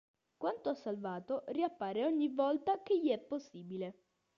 Quanto a Salvato, riappare ogni volta che gli è possibile.